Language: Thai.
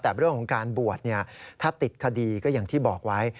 แต่เรื่องของการบวชถ้าติดคดีก็อย่างที่บอกไว้